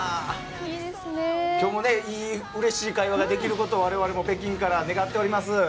今日もうれしい会話ができることを我々も北京から願っております。